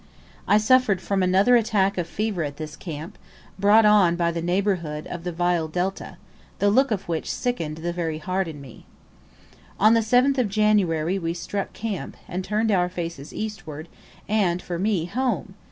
I suffered from another attack of fever at this camp, brought on by the neighbourhood of the vile delta, the look of which sickened the very heart in me. On the 7th of January we struck camp, and turned our faces eastward, and for me, home!